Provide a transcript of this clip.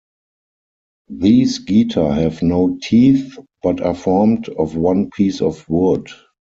These geta have no "teeth" but are formed of one piece of wood.